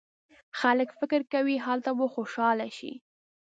خلک فکر کوي هلته به خوشاله شي.